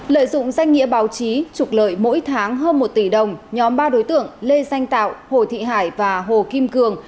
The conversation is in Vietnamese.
lợi dụng danh nghĩa báo chí trục lợi mỗi tháng hơn một tỷ đồng nhóm ba đối tượng lê xanh tạo hồ thị hải và hồ kim cường